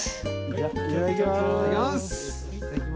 いただきます。